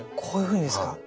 こういうふうにですか？